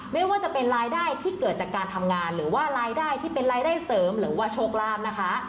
ไม่ว่าจะเป็นรายได้ที่เกิดจากการทำงานหรือว่ารายได้ที่เป็นรายได้เสริมหรือว่าโชคลาภนะคะ